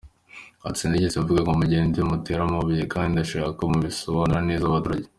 Ati: “Sinigeze mvuga ngo mugende mutere amabuye kandi ndashaka ko mubisobanurira neza abaturage.”